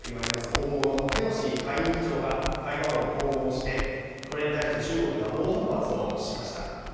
大物ペロシ下院議長が台湾を訪問してこれに対して中国が猛反発しました。